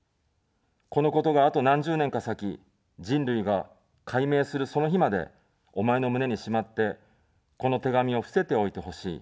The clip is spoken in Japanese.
このことが、あと何十年か先、人類が解明するその日まで、お前の胸にしまって、この手紙を伏せておいてほしい。